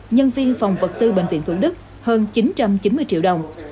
nhân viên phòng vật tư bệnh viện thủ đức hơn chín trăm chín mươi triệu đồng